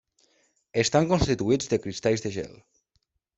Estan constituïts de cristalls de gel.